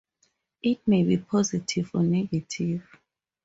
It may be positive or negative.